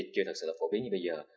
chưa thực sự là phổ biến như bây giờ